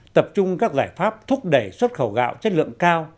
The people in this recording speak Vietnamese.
tập trung các giải pháp thúc đẩy xuất khẩu gạo chất lượng cao